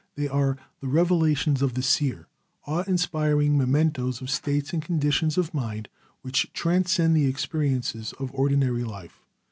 They are the revelations of the seer, awe inspiring mementos of states and conditions of mind which transcend the experiences of ordinary life.